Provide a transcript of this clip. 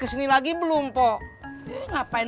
peng lapar mau makan